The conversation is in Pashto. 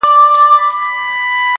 • او په ځغاسته سو روان د غار و لورته -